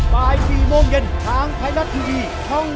บ่าย๔โมงเย็นทางไทยรัฐทีวีช่อง๓